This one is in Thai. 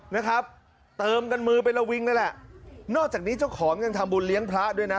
นะครับเติมกันมือเป็นระวิงนั่นแหละนอกจากนี้เจ้าของยังทำบุญเลี้ยงพระด้วยนะ